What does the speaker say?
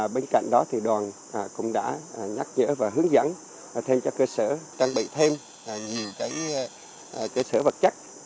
bên cạnh đó đoàn cũng đã nhắc nhở và hướng dẫn thêm cho cơ sở trang bị thêm nhiều cơ sở vật chất